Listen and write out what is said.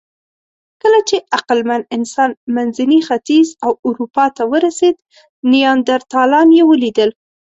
کله چې عقلمن انسان منځني ختیځ او اروپا ته ورسېد، نیاندرتالان یې ولیدل.